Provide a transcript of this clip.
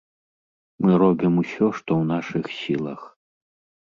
Мы робім усё, што ў нашых сілах.